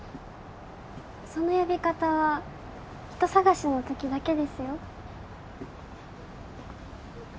その呼び方は人探しのときだけですよ